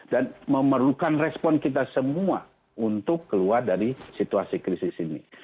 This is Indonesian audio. dan memerlukan respon kita semua untuk keluar dari situasi krisis ini